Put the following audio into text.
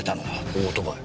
オートバイ。